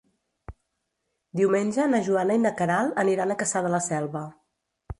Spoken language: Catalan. Diumenge na Joana i na Queralt aniran a Cassà de la Selva.